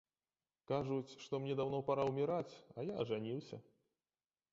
Кажуць, што мне даўно пара ўміраць, а я ажаніўся.